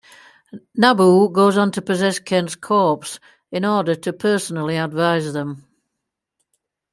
Nabu goes on to possess Kent's corpse in order to personally advise them.